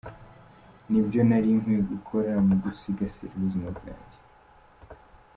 Ni byo nari nkwiye gukora mu gusigasira ubuzima bwanjye.